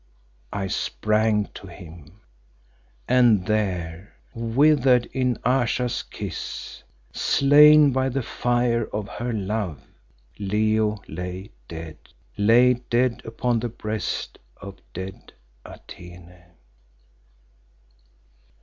I sprang to him, and there, withered in Ayesha's kiss, slain by the fire of her love, Leo lay dead lay dead upon the breast of dead Atene!